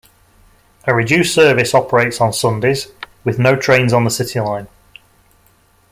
A reduced service operates on Sundays, with no trains on the City line.